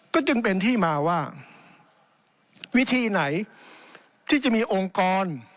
ก็จึงเป็นที่มาว่าวิธีไหนที่จะมีองค์กร